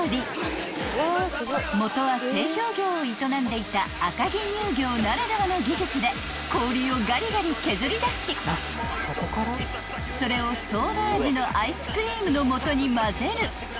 ［もとは製氷業を営んでいた赤城乳業ならではの技術で氷をガリガリ削り出しそれをソーダ味のアイスクリームのもとにまぜる］